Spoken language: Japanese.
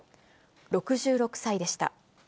６６歳でした。